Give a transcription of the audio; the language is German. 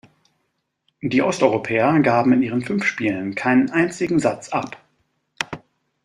Die Osteuropäer gaben in ihren fünf Spielen keinen einzigen Satz ab.